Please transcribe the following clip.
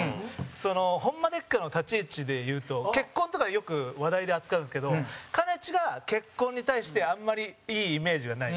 『ホンマでっか！？』の立ち位置でいうと結婚とかよく話題で扱うんですけどかねちーが、結婚に対してあんまりいいイメージがない。